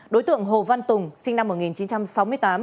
đối tượng hồ văn tùng sinh năm một nghìn chín trăm sáu mươi tám